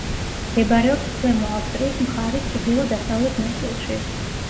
მდებარეობს ქვემო ავსტრიის მხარის ჩრდილო-დასავლეთ ნაწილში.